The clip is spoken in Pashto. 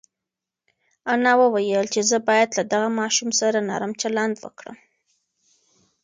انا وویل چې زه باید له دغه ماشوم سره نرم چلند وکړم.